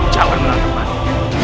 jangan menangkap aku